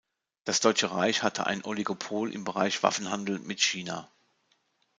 Das Deutsche Reich hatte ein Oligopol im Bereich Waffenhandel mit China.